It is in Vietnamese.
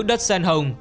đất sen hồng